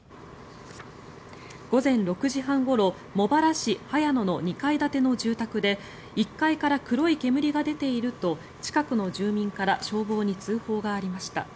午前６時半ごろ茂原市早野の２階建ての住宅で１階から黒い煙が出ていると近くの住民から消防に通報がありました。